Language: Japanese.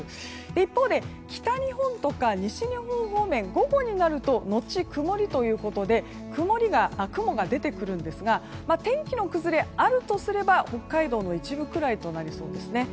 一方で、北日本とか西日本方面午後になるとのち曇りということで雲が出てくるんですが天気の崩れがあるとすれば北海道の一部くらいとなりそうですね。